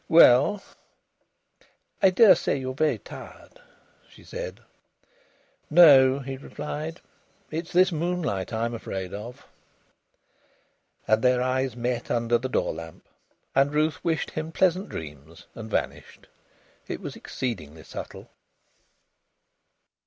"Well " "I daresay you're very tired," she said. "No," he replied, "it's this moonlight I'm afraid of." And their eyes met under the door lamp, and Ruth wished him pleasant dreams and vanished. It was exceedingly subtle.